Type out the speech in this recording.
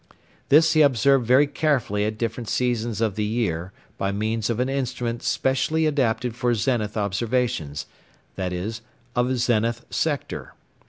This he observed very carefully at different seasons of the year by means of an instrument specially adapted for zenith observations, viz. a zenith sector.